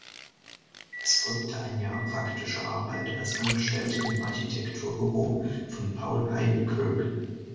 Es folgte ein Jahr praktische Arbeit als Angestellte im Architekturbüro von Paul Hayden Kirk.